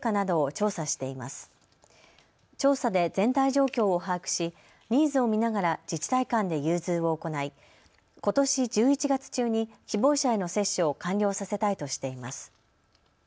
調査で全体状況を把握しニーズを見ながら自治体間で融通を行いことし１１月中に希望者への接種を完了させたいとしています。